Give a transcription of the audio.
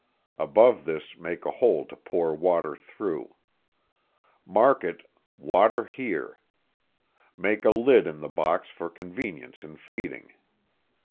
Above this make a hole to pour water through. Mark it ŌĆ£water hereŌĆØ. Make a lid in the box for convenience in feeding.